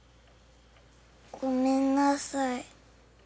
ごめんなさい。